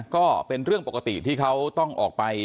ก็เป็นเรื่องปกติที่เขาต้องออกไป